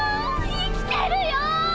生きてるよぉ！